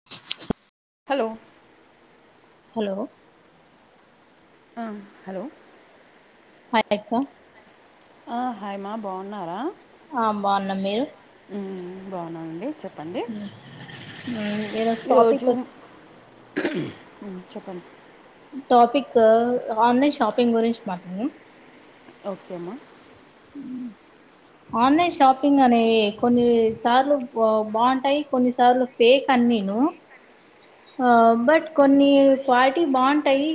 [unintelligible] Hello hello ఆ hello హ yes sir ఆ హై మా బాగున్నారా ఆ భావున్నాం మీరు బాగున్నానండి చెప్పండి హుమ్ ఈ రోజు టాపిక్ వచ్చి హుమ్ చెప్పండి టాపిక్ ఆన్లైన్ షాపింగ్ గురించి మాట్లాడదం ఓకే మా ఆన్లైన్ షాప్ నిజంగానే కొన్ని సార్లు బాగుంటాయి కొన్నిసార్లు ఫేక్ అన్నీను ఆ బట్ కొన్ని క్వాలిటీ బాగుంటాయి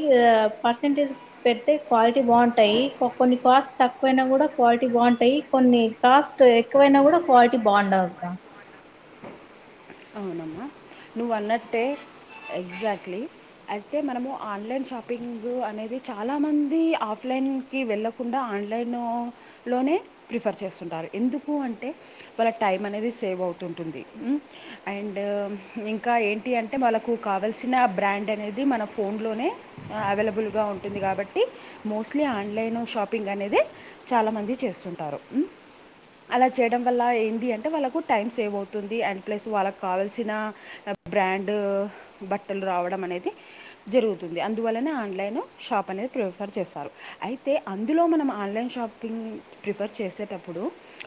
పర్సంటేజ్ పెడితే క్వాలిటీ బాగుంటాయి కొన్ని కాస్ట్ తక్కువైనా కూడా క్వాలిటీ బాగుంటాయి కొన్ని కాస్ట్ ఎక్కువైనా కూడా క్వాలిటీ బాగుండవుక్క అవునమ్మా నువ్వు అన్నట్టే ఎగ్జాక్ట్లీ అయితే మనము ఆన్లైన్ షాపింగ్ అనేది చాలామంది ఆఫ్లైన్ కి వెళ్ళకుండా ఆన్లైన్లోనే ప్రిఫర్ చేస్తుంటారు ఎందుకు అంటే వాళ్ళ టైం అనేది సేవ్ అవుతుంటుంది అండ్ ఇంకా ఏంటి అంటే వాళ్ళకు కావలసిన బ్రాండ్ అనేది మన ఫోన్లోనే అవైలబుల్గా ఉంటుంది కాబట్టి మోస్ట్లీ ఆన్లైన్ షాపింగ్ అనేది చాలా మంది చేస్తుంటారు ఊమ్ అలా చేయడం వల్ల ఏంది అంటే వాళ్ళకు టైం సేవ్ అవుతుంది అండ్ ప్లస్ వాళ్ళకి కావల్సిన ఆ బ్రాండ్ బట్టలు రావడం అనేది జరుగుతుంది అందువల్లనే ఆన్లైన్ షాప్ అనేది ప్రిఫర్ చేశారు అయితే అందులో మనం ఆన్లైన్ షాపింగ్ ప్రిఫర్ చేసేటప్పుడు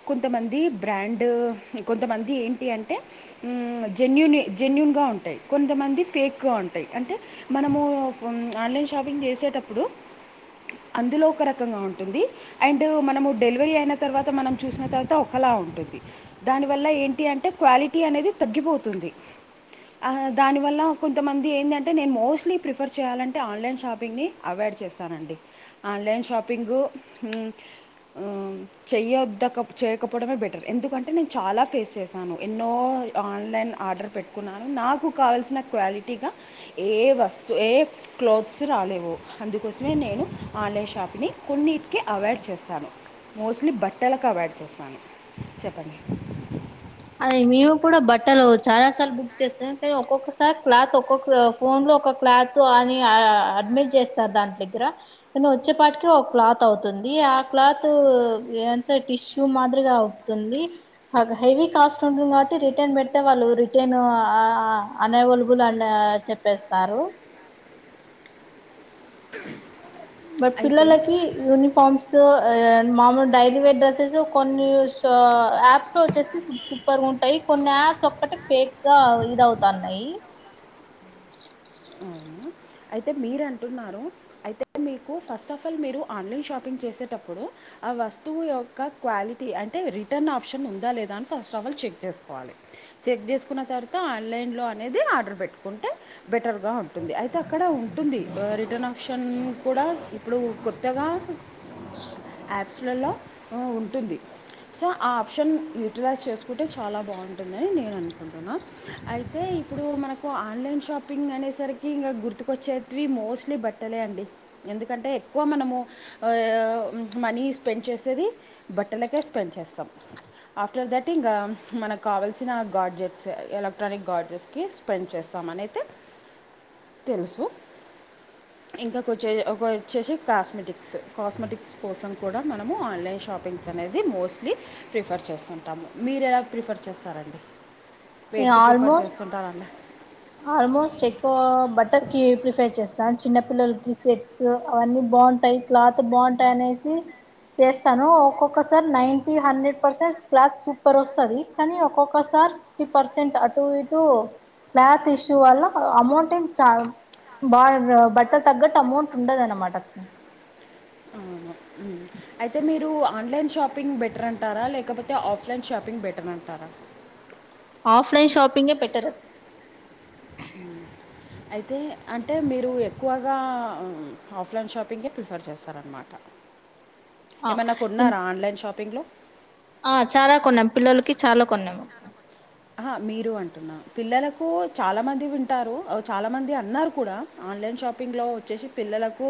కొంతమంది బ్రాండ్ కొంతమంది ఏంటి అంటే ఉమ్ జెన్యుూన్ జెన్యూన్గా ఉంటాయి కొంతమంది ఫేక్గా ఉంటాయి అంటే మనము ఊ ఆన్లైన్ షాపింగ్ చేసేటప్పుడు అందులో ఒక రకంగా ఉంటుంది అండ్ మనము డెలివరీ అయిన తర్వాత మనం చూసిన తర్వాత ఒకలా ఉంటుంది దానివల్ల ఏంటి అంటే క్వాలిటీ అనేది తగ్గిపోతుంది దానివల్ల కొంతమంది ఏందంటే నేను మోస్ట్లీ ప్రిఫర్ చేయాలంటే ఆన్లైన్ షాపింగ్ని అవాయిడ్ చేస్తానండి ఆన్లైన్ షాపింగు ఉమ్ కి క్ చెయొద్దక చేయకపోవడమే బెటర్ ఎందుకంటే నేను చాలా ఫేస్ చేశాను ఎన్నో ఆన్లైన్ ఆర్డర్ పెట్టుకున్నాను నాకు కావల్సిన క్వాలిటీగా ఏ వస్తువు ఏ క్లత్స్ రాలేవు అందుకోసమే నేను ఆన్లైన్ షాపిని కొన్నిటికి అవాయిడ్ చేశాను మోస్ట్లీ బట్టలకు అవాయిడ్ చేశాను చెప్పండి అయిపుడు బట్టలు చాలా సార్లు బుక్ చేశాం కానీ ఒక్కొక్కసారి క్లాత్ ఒక్కొక్క ఫోన్ లో ఒక క్లాత్ అని అడ్మిట్ చేశారు దాన్దగ్ర కను వచ్చేపాటికి ఒక క్లాత్ అవుతుంది ఆ క్లాత్ ఏంత టిష్యూ మాదిరిగా తుంది బాగా హైవి కాస్ట్ ఉంటుంది కాబట్టి రిటర్న్ పెటై వాళ్ళు రిటను అన్వైలబుల్ అని చెప్పేస్తారు బట్ అయితే పిల్లలకి యూనిఫార్మ్స్ సో మామూలు డైలీవేర్ డ్రసెస్ కొన్ని యాప్స్ లో వచ్చేసి రు ఉంటాయి కొన్ని యాప్స్ ఒక్కటి ఫేక్గా ఇదవుతున్నాయి అవునా అయితే మీరు అంటున్నారు అయితే మీకు ఫస్ట్ ఆఫ్ ఆల్ మీరు ఆన్లైన్ షాపింగ్ చేసేటప్పుడు ఆ వస్తువు యొక్క క్వాలిటీ అంటే రిటర్న్ ఆప్షన్ ఉందా లేదా అని ఫస్ట్ ఆఫ్ ఆల్ చెక్ చేసుకోవాలి చెక్ చేస్కున్న తర్వాత ఆన్లైన్ లో అనేది ఆర్డర్ పెట్టుకుంటే బెటర్ గా ఉంటుంది అయితే అయితే ఉంటుంది ఆ రిటర్న్ ఆప్షన్ కూడా ఇప్పుడు కొత్తగా యాప్స్లలో ఉమ్ ఉంటుంది సో ఆ ఆప్షన్ యూటిలైజ్ చేసుకుంటే చాలా బాగుంటుందని అని నేను అనుకుంటున్నాను అయితే ఇప్పుడు మనకు ఆన్లైన్ షాపింగ్ అనేసరికి ఇంకా గుర్తుకొచ్చేవి మోస్ట్లీ బట్టలే అండి ఎందుకంటే ఎక్కువ మనము ఆ ఊ మనీ స్పెండ్ చేసేది బట్టలకే స్పెండ్ చేస్తాం ఆఫ్టర్ దాట్ ఇంకా మనకు కావాల్సిన గార్డ్జెట్స్ ఎలక్ట్రానిక్ గార్జెట్స్కికి స్పెండ్ చేస్తం అనైతే తెల్సు ఇంకా కాచే వచ్చేసి కాస్మెటిక్స్ కాస్మెటిక్స్ కోసం కూడా మనము ఆన్లైన్ షాపి అనేది మోస్ట్లీ ప్రిఫర్ చేస్తుంటాము మీరు ఎలా ప్రిఫర్ చేస్తారండి వేటికి ప్రిఫర్ ఆల్మోస్ట్ చేస్తుంటారండి ఆల్మోస్ట్ ఎక్కువ బట్టర్కీ ప్రిఫెర్ చేస్తాను చిన్నపిిల్లలకి ఈ సెట్స్ అన్నీ బాగుంటాయి క్లాత్ బొంటై అనేసి చేస్తాను ఒక్కొక్కసారి నైన్కి హండ్రెడ్ పర్సెంట్ క్లాత్ సూపర్ వస్తది కానీ ఒక్కొక్కసారి ఫిఫ్టీ పర్సెంట్ అటు ఇటు క్లాత్ ఇష్యూ వల్ల అమౌంట్ ఏం బాగా బట్ట తగ్గట్టు అమౌంట్ ఉండదు అన్నమాట అవును ఉమ్ అయితే మీరు ఆన్లైన్ షాపింగ్ బెటర్ అంటారా లేకపోతే ఆఫ్లైన్ షాపింగ్ బెటర్ అంటారా ఆఫ్లైన్ షాపింగే బెటర్ ఉమ్ అయితే అంటే మీరు ఎక్కువగా ఆఫ్లైన్ షాపింగే ప్రిఫర్ చేస్తారనమాట ఏమన్నా కొన్నారా ఆన్లైన్ షాపింగ్లో ఆ చాలా కొన్నాం పిల్లలకి చాలా కొన్నాము ఆహా మీరు అంటున్నా పిల్లలకు చాలా మంది వింటారు చాలా మంది అన్నారు కూడా ఆన్లైన్ షాపింగ్లో వచ్చేసి పిల్లలకు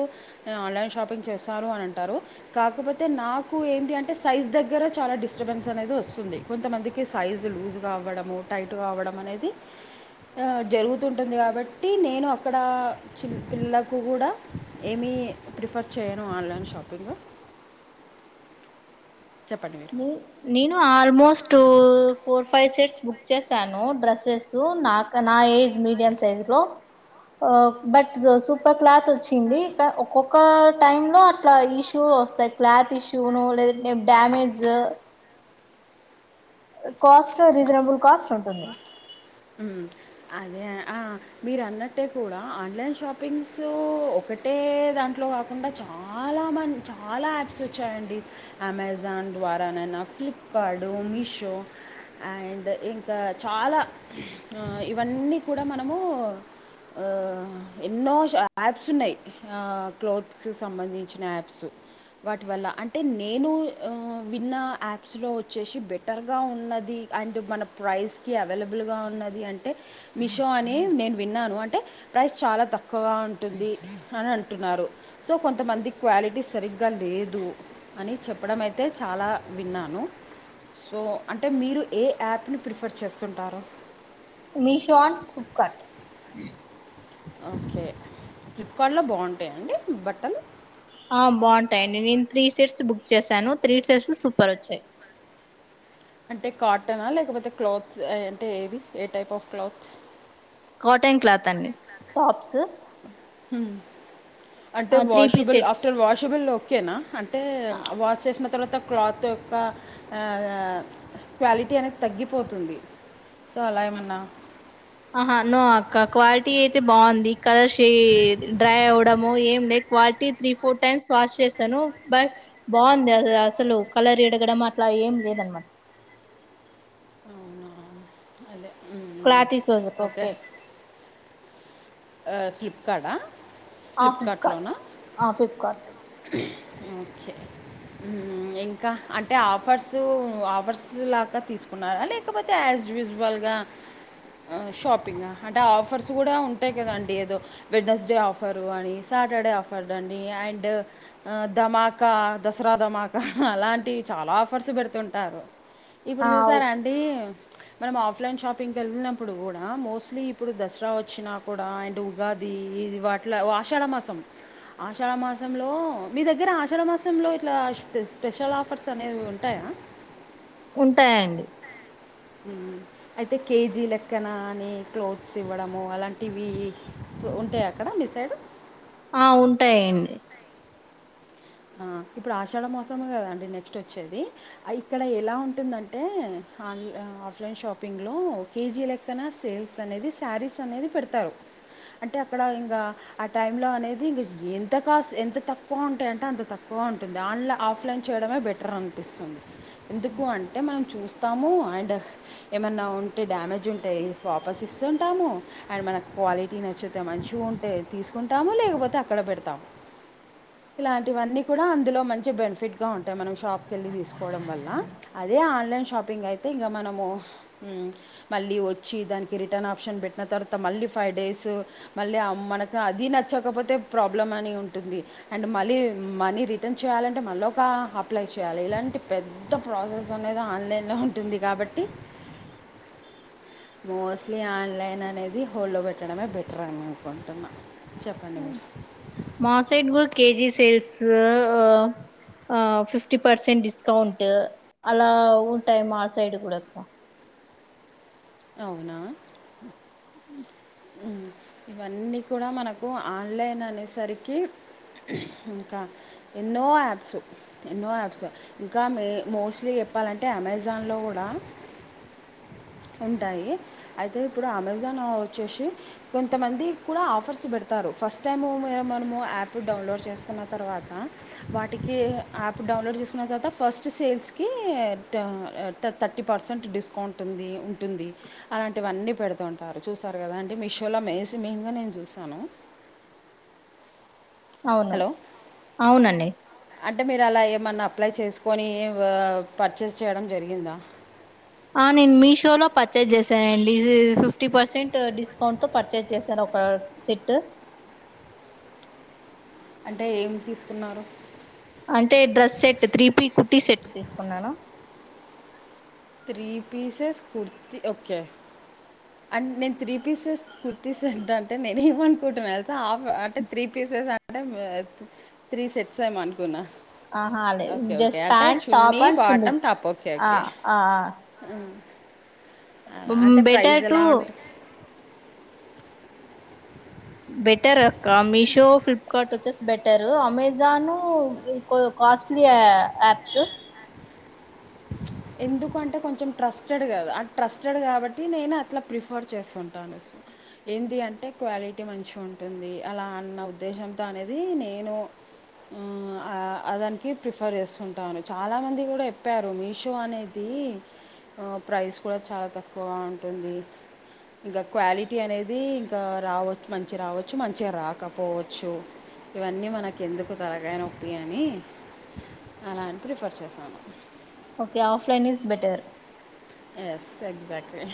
ఆన్లైన్ షాపింగ్ చేస్తారు అని అంటారు కాకపోతే నాకు ఏంది అంటే సైజ్ దగ్గర చాలా డిస్టర్బెన్స్ అనేది ఒస్తుంది. కొంతమందికి సైజు లూజ్ గా అవ్వడము, టైట్గా అవ్వడం అనేది ఆ జరుగుతుంటుంది కాబట్టి నేను అక్కడ చిన్ పిల్లకు గుడా ఏమి ప్రిఫర్ చేయను ఆన్లైన్ షాపింగ్ చెప్పండి మీరు నేను almost four, five sets book చేసాను డ్రెస్సెస్. సు నాక్ నా ఏజ్ మీడియం సైజ్ లో ఓ బట్ సూపర్ క్లాత్ ఒచ్చింది, బా ఒక్కొక్క టైమ్ లో అట్లా ఈచ్ టు ఒస్తాయి క్లాత్ ఇష్యూనో, లేదంటే డ్యామేజ్ కాస్ట్ రీజనబుల్ కాస్ట్ ఉంటుంది. ఉమ్ అదే ఆ మీరు అన్నట్టే కూడా ఆన్లైన్ షాపింగ్స్ ఒకట్ టే దాంట్లో కాకుండా చాలా మంచ్ చాలా యాప్స్ ఒచ్చాయండి. అమెజాన్ ద్వారా నైనా, ఫ్లిప్కార్డు, మీషో అండ్ ఇంకా చాలా, ఆ ఇవన్నీ కూడా మనము ఆ ఎన్నో షా ఆప్స్ ఉన్నాయి. ఆ క్లోత్కి సంబంధించిన ఆప్స్ వాటి వల్ల, అంటే నేను ఆ విన్న యాప్స్లో ఒచ్చేసి బెట్ బటర్గా ఉన్నది అండ్ మన ప్రైస్కి అవైలబుల్గా ఉన్నది అంటే మీషో అని నేను విన్నాను, అంటే ప్రైస్ చాలా తక్కువగా ఉంటుంది. అని అంటున్నారు, సో కొంతమంది క్వాలిటీ సరిగ్గా లేదు అని చెప్పడం అయితే చాలా విన్నాను. సో అంటే మీరు ఏ యాప్ ని ప్రిఫర్ చేస్తుంటారు. మీషో అండ్ ఫ్లిప్కార్ట్ ఓకే, ఫ్లిప్కార్ట్ లో బావుంటాయా అండి బట్టలు. ఆ బావుంటాయి అండి నేను త్రీ సేట్స్ బుక్ చేసాను, త్రీ సేట్స్ సూప్పర్ ఒచ్చాయి. అంటే కాటనా లేకపోతే క్లాత్స్ ఏ అంటే ఏది ఏ type of clothes. Cotton cloth అన్ని టాప్స్ హుమ్ అంటే three piece washable, sets after washable ఓకేనా అం టే వాష్ చేసిన తర్వాతక్ క్లాత్ యొక్క ఆ ఆ క్వాలిటీ అనేది తగ్గిపోతుంది. సో అలా ఏమన్నా ఆహా నో అక్క క్వాలిటీ అయితే బాగుంది కలర్ షేడ్, డ్రై అవ్వడము ఏం లే quality three, four times wash చేశాను బ బావుంది ఆ ఆ అసలు కలర్ ఇడగడం అట్లా ఏం లేదనమాట్ అవునా అదే ఉమ్ ఉమ్ క్లాత్ ఈస్ ఓకే ఆ ఫ్లిప్కార్డ ఆ ఫ్లిప్కార్ట్, ఆ ఫ్లిప్కార్ట్ ఓకే ఉమ్ ఉమ్మ్ ఇంకా అంటే ఆఫర్స్, ఆఫర్స్ లాగా తీసుకున్నారా లేకపోతే యాజ్యుజ్ వాల్గా, ఆ షాపింగ్ ఆ అంటే ఆఫర్స్ గుడా ఉంటాయి కదాండి ఏదో వెడ్నెస్డే ఆఫరు అని, సాటర్డే ఆఫర్డ్ అండి అండ్ ఆ ధమాక, దసరా ధమాక అలాంటివి చాలా ఆఫర్స్ పెడుతుంటారు. ఇప్పుడు ఆ చూసారా అండి మనం ఆఫ్లైన్ షాపింగ్కి ఎళ్ళినప్పుడు గుడా, మోస్ట్లీ ఇప్పుడు దసరా వచ్చినా కుడా అండ్ ఉగాది ఇది వాట్ల, ఓ ఆషాఢ మాసం ఆషాఢ మాసంలో మీ దగ్గర ఆషాఢ మాసంలో ఇట్లాపె స్పెషల్ ఆఫర్స్ అనేవి ఉంటాయా ఉంటాయండి ఉ అయితే కేజీ లెక్కన అని క్లోత్స్ ఇవ్వడము అలాంటివి ఉంటాయి అక్కడ మీ సైడు ఆ ఉంటాయండి ఆ ఇప్పుడు ఆషాఢ మోసమే కదండి నెక్స్ట్ వచ్చేది ఇక్కడ ఎలా ఉంటుందంటే ఆన్లై ఆఫ్లైన్ షాపింగ్లో కేజీ లెక్కన సేల్స్ అనేది శారీస్ అనేది పెడతారు అంటే అక్కడ ఇంగ ఆ టైమ్ లో అనేది ఇంగ ఎంత కాస్ట్ ఎంత తక్కువ ఉంటాయి అంటే అం తక్కువగా ఉంటుంది ఆన్లైన్ ఆఫ్లైన్ చేయడమే బెటర్ అనిపిస్తుంది ఎందుకు అంటే మనం చూస్త స్తాము అండ్ ఏమైన్నా ఉంటే డ్యామేజ్ ఉంటే వాపస్ ఇస్తుంటాము అండ్ మనకు క్వాలిటీ నచ్చితే మంచిగా ఉంటే తీసుకుంటాము లేకపోతే అక్కడ పెడతాము ఇలాంటివన్నీ కూడా అందులో మంచి బెనిఫిట్ గా ఉంటాయి మనం షాప్ కి వెళ్ళి తీసుకోవడం వల్ల అదే ఆన్లైన్ షాపింగ్ అయితే ఇంగ మనము మళ్ళీ వచ్చి దానికి రిటర్న్ ఆప్షన్ పెట్టి తర్వాత మళ్ళీ ఫైవ్ డేస్ మళ్ళీ మనకు అది నచ్చకపోతే ప్రాబ్లం అని ఉంటుంది అండ్ మళ్ళీ మనీ రిటర్న్ చేయాలంటే మళ్ళీ ఒక అప్లై చేయాలి ఇలాంటి పెద్ద ప్రాసెస్ అనేది ఆన్లైన్లో ఉ ఉంటుంది కాబట్టి అ మోస్ట్లీ ఆన్లైన్ అనేది హోల్డ్లో పెట్టడమే బెటర్ అనుకుంటున్నా చెప్పండి మీరు మాసైడ్ కూడా కేజీ సెల్స్ ఆ ఫిఫ్టీ పర్సెంట్ డిస్కౌంట్ అలా ఉంటాయి మా సైడ్ కూడా అవునా ఇవన్నీ కూడా మనకు ఆన్లైన్ అనేసరికి ఇంకా ఎన్నో యాప్స్ ఎన్నో యాప్స్ ఇంకా మే మోస్ట్లీ చెప్పాలంటే అమెజాన్లో కూడా ఉంటాయి అయితే ఇప్పుడు అమెజాన్ వచ్చేసి కొంతమంది కూడా ఆఫర్స్ పెడతారు ఫస్ట్ టైం మనము యాప్ డౌన్లోడ్ చేసుకున్న తర్వాత వాటికి యాప్ డౌన్లోడ్ చేసుకున్న తర్వాత ఫస్ట్ సేల్స్ కి థర్టీ పర్సెంట్ డిస్కౌంట్ ఉంది ఉంటుంది అలాంటివన్నీ పెడుతుంటారు చూసారు కదా అంటే మీషోలో మే మెయిన్ గా నేను చూస్తాను అవును హలో అవునండి అంటే మీరు అలా ఏమన్నా అప్లై చేసుకొని పర్చేస్ చేయడం జరిగిందా ఆ నేను మీషోలో పర్చేస్ చేశానండి ఫిఫ్టీ పర్సెంట్ డిస్కౌంట్తో పర్చేస్ చేశాను ఒక సెట్ అంటే ఏం తీసుకున్నారు అంటే డ్రస్ సెట్ త్రీపీ కుర్టీ సెట్ తీసుకున్నాను త్రీ పీసెస్ కుర్తి ఓకే అంటే నేను త్రీ పీసెస్ కుర్తీస్ ఏంట అంటే నేను ఏమనుకుంటున్నాను హాఫ్ అంటే త్రీ పీసెస్ అంటే త్రీ సెట్స్ ఏమ అనుకున్నా ఆహా అదే జస్ట్ ప్యాంట్ టాప్ అండ్ చున్నీ ఆ ఆ ఆ అంటే బెటర్ ప్రైజ్ టు ఎలా ఉంటుంది బెటర్ అక్క మీషో ఫ్లిప్కార్ట్ వచ్చేసి బెటరు అమెజాను కొ కాస్ట్లీ ఆప్స్ ఎందుకంటే కొంచెం ట్రస్టెడ్ కదా ఆ ట్రస్టెడ్ కాబట్టి నేను అట్లా ప్రిఫర్ చేస్తుంటాను అనేసి ఏంది అంటే క్వాలిటీ మంచి గా ఉంటుంది అలా అన్న ఉద్దేశంతో అనేది నేను ఉ ఆ అదానికి ప్రిఫర్ చేస్తుంటాను చాలా మంది కూడా ఎప్ ప్యరు మీషో అనేది ఆ ప్రైస్ కూడా చాలా తక్కువ ఉంటుంది ఇంకా క్వాలిటీ అనేది ఇంకా రావచ్ మంచిగా రావచ్చు మంచిగా రాకపోవచ్చు ఇవన్నీ మనకు ఎందుకు తలకయ్ నొప్పి అని అలా అన్రిఫర్ చేశాను okay offline is better yes exactly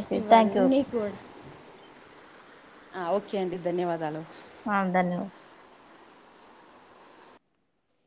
okay thank you ఇవన్నీ కూడ్ ఆ ఓకే అండి ధన్యవాదాలు ఆ ధన్యవా